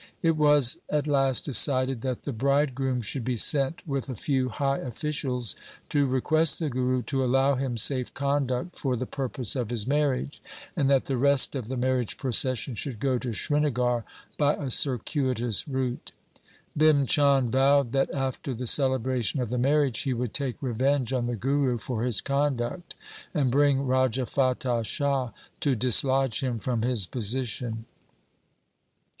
It was at last decided that the bride groom should be sent with a few high officials to request the Guru to allow him safe conduct for the purpose of his marriage, and that the rest of the marriage procession should go to Srinagar by a cir cuitous route. Bhim Chand vowed that after the celebration of the marriage he would take revenge on the Guru for his conduct, and bring Raja Fatah Shah to dislodge him from his position.